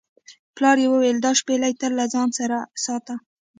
پلار یې وویل دا شپیلۍ تل له ځان سره ساته.